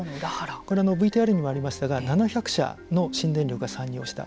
これ、ＶＴＲにもありましたが７００社の新電力が参入をした。